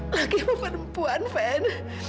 lagi apa perempuan fen